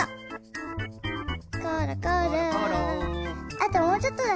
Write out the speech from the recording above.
あともうちょっとだ！